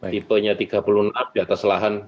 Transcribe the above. tipenya tiga puluh enam up di atas lahan